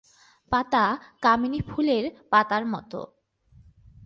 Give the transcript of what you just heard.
পাতা কামিনী ফুলের পাতার মত।